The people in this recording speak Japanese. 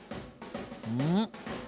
うん？